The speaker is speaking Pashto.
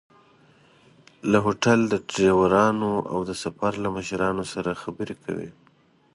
له هوټل، ډریورانو او د سفر له مشرانو سره خبرې کوي.